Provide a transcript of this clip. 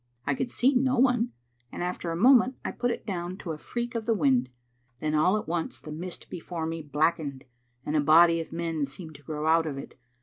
I could see no one, and after a moment I put it down to a freak of the wind. Then all at once the mist before me blackened, and a body of men seemed to grow out of it.